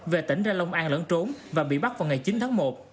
về tỉnh ra long an lẫn trốn và bị bắt vào ngày chín tháng một